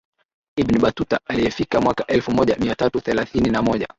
Ibn Batuta aliyefika mwaka elfu moja mia tatu thelathini na moja